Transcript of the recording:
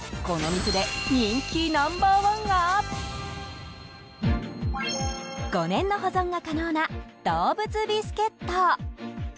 この店で人気ナンバーワンが５年の保存が可能な動物ビスケット。